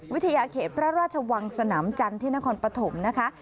วิทยาเขตพระราชวังสนามจันทร์ที่นครปฐมนะคะ